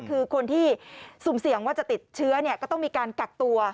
คือคนที่สุ่มเสี่ยงว่าจะติดเชื้อก็ต้องมีการกักตัว